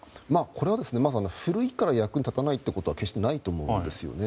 これは古いから役に立たないということは決してないと思うんですよね。